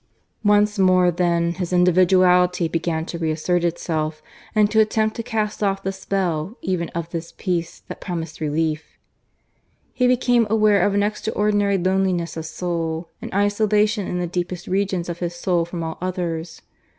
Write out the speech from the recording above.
... Once more then his individuality began to reassert itself, and to attempt to cast off the spell even of this peace that promised relief. He became aware of an extraordinary loneliness of soul, an isolation in the deepest regions of his soul from all others.